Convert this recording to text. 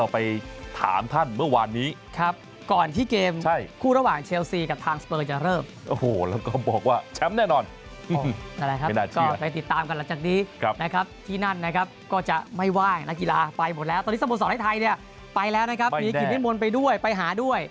ไปแล้วนะครับมีขินขึ้นบนไปด้วยไปหาด้วย